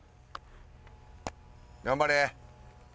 頑張れ！